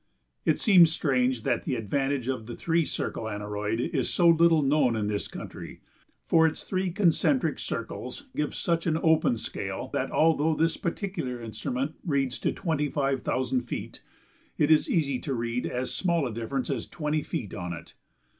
It seems strange that the advantage of the three circle aneroid is so little known in this country, for its three concentric circles give such an open scale that, although this particular instrument reads to twenty five thousand feet, it is easy to read as small a difference as twenty feet on it.